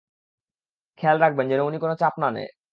খেয়াল রাখবেন যেন উনি কোনো চাপ না নেয়।